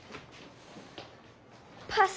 パス。